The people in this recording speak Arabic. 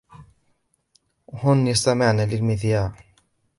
هن يستمعن للمذياع.